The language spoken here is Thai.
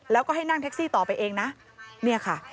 แล้วก็ให้นั่งแท็กซี่ต่อไปเองนะเนี่ยค่ะ